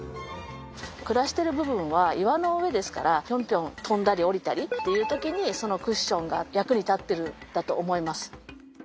暮らしてる部分は岩の上ですからピョンピョン跳んだり下りたりっていう時にそのクッションが役に立ってるんだと思います。